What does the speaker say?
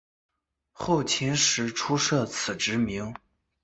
后秦时初设此职名。